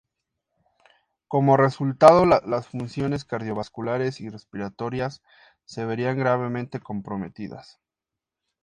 Como resultado, las funciones cardiovasculares y respiratorias, se verían gravemente comprometidas.